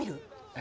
え？